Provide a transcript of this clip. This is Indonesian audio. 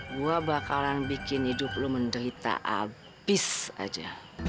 gue bakalan bikin hidup lo menderita habis aja